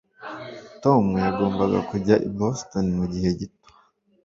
Tom yagombaga kujya i Boston mugihe gito